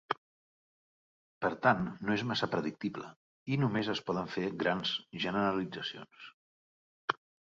Per tant no és massa predictible, i només es poden fer grans generalitzacions.